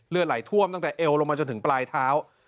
ไหลท่วมตั้งแต่เอวลงมาจนถึงปลายเท้า